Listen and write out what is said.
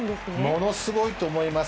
ものすごいと思います。